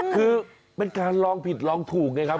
คือเป็นการลองผิดลองถูกไงครับ